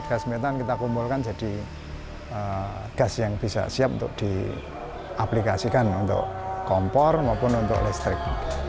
gas metan kita kumpulkan jadi gas yang bisa siap untuk diaplikasikan untuk kompor maupun untuk listrik